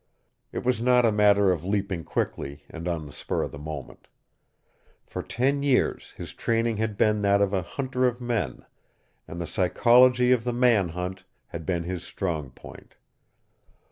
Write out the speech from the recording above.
It was not a matter of leaping quickly and on the spur of the moment. For ten years his training had been that of a hunter of men, and the psychology of the man hunt had been his strong point.